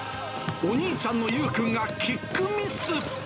お兄ちゃんの勇くんがキックミス。